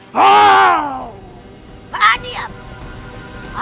diam aku benci suaramu